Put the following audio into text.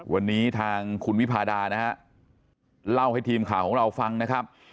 วันนี้ทางคุณวิพาดานะฮะเล่าให้ทีมข่าวของเราฟังนะครับ